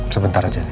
sebentar aja din